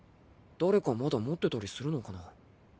誰かまだ持ってたりするのかな？